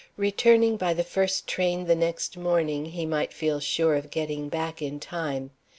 Returning by the first train the next morning, he might feel sure of getting back in time.